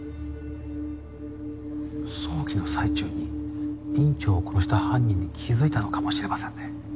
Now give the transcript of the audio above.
葬儀の最中に院長を殺した犯人に気付いたのかもしれませんね。